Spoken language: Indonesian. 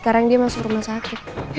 kamu nggak nganterin ke rumah sakit